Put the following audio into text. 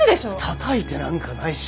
たたいてなんかないし。